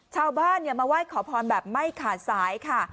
ชาวบ้านมาไหว้ขอพรแบบไม่ขาดสายค่ะ